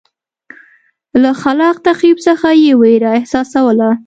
له خلاق تخریب څخه یې وېره احساسوله.